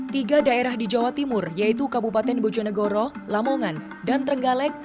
tiga daerah di jawa timur yaitu kabupaten bojonegoro lamongan dan trenggalek